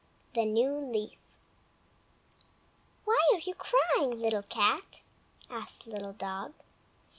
THE NEW LEAF "Why are you crying, Little Cat?" asked Little Dog.